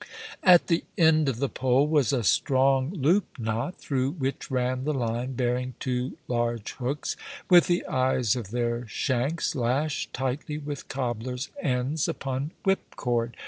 At the end of the pole was a strong loop knot, through which ran the line, bearing two large hooks, with the eyes of their shanks lashed tightly with cobbler's ends upon whipcord.